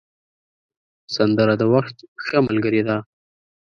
سندره د وخت ښه ملګرې ده